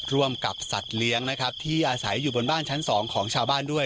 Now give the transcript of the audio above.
ร่วมกับสัตว์เลี้ยงนะครับที่อาศัยอยู่บนบ้านชั้น๒ของชาวบ้านด้วย